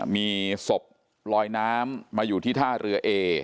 มีศพลอยน้ำมาอยู่ที่ท่าเรือเอ